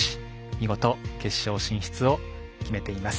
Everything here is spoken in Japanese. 見事、決勝進出を決めています。